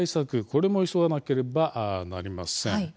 これも急がなければなりません。